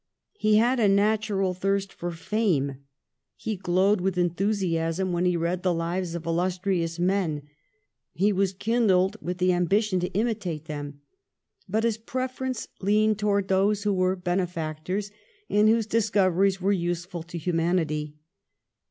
He had a natural thirst for fame, he glowed with enthusiasm when he read the lives of illustrious men, he was kindled with the ambition to imitate them; but his prefer ence leaned towards those who were benefac tors and whose discoveries were useful to hu manity.